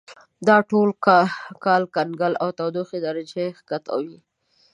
دا ټول کال کنګل او تودوخې درجه یې کښته وي.